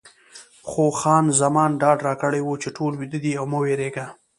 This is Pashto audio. خو خان زمان ډاډ راکړی و چې ټول ویده دي او مه وېرېږه.